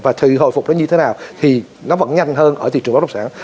và thị hồi phục nó như thế nào thì nó vẫn nhanh hơn ở thị trường bất đồng sản